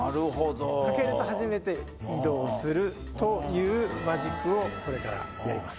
かけると初めて移動するというマジックをこれからやります